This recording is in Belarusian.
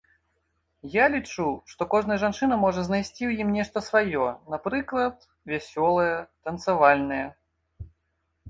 Я лічу, што кожная жанчына можа знайсці ў ім нешта сваё, напрыклад, вясёлае, танцавальнае.